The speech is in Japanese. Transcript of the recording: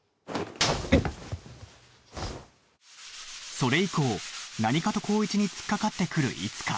それ以降何かと紘一につっかかってくるいつか